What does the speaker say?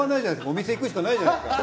お店行くしかないじゃないですか。